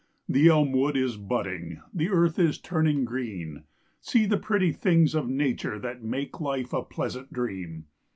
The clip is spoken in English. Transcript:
The elm wood is budding, The earth is turning green. See the pretty things of nature That make life a pleasant dream!